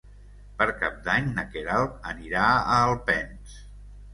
Per Cap d'Any na Queralt anirà a Alpens.